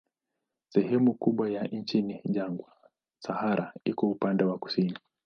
Sehemu kubwa ya nchi ni jangwa, Sahara iko upande wa kusini.